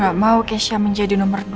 gue nggak mau keisha menjadi nomor dua